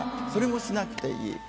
それもしなくていい。